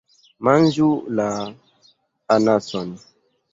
Manĝu la... anason.